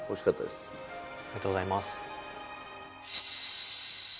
ありがとうございます